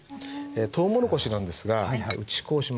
とうもろこしなんですが打ち粉をします。